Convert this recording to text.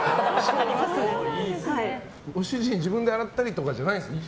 ご主人、自分で洗ったりとかじゃないんですね。